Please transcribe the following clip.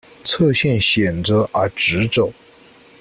侧线显着而直走。